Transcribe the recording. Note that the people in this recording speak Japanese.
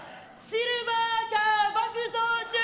シルバーカー爆走中！